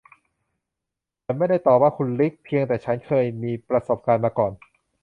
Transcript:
ฉันไม่ได้ต่อว่าคุณ ริค เพียงแต่ฉันเคยมีประสบการณ์มาก่อน